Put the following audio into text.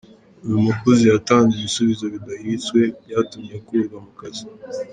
Uyu mukozi yatanze ibisubizo bidahitswe byatumye akurwa mu kazi.